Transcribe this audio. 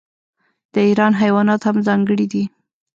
د ایران حیوانات هم ځانګړي دي.